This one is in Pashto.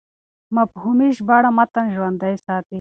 مفهومي ژباړه متن ژوندی ساتي.